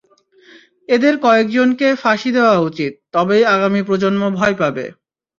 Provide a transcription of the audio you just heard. এদের কয়এজন কে ফাঁসি দেওয়া উচিত, তবেই আগামী প্রজন্ম ভয় পাবে।